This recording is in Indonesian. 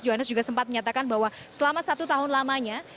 johannes juga sempat menyatakan bahwa selama satu tahun lamanya